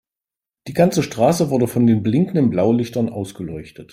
Die ganze Straße wurde von den blinkenden Blaulichtern ausgeleuchtet.